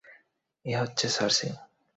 এ হচ্ছে সার্সি।